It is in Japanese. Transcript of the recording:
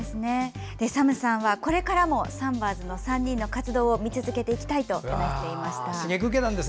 ＳＡＭさんはこれからも三婆ズの３人の活動を見続けていきたいと話していました。